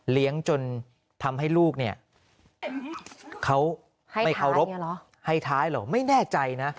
จนทำให้ลูกเนี่ยเขาไม่เคารพให้ท้ายเหรอไม่แน่ใจนะ